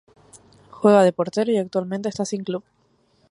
Juega de portero y actualmente está sin club.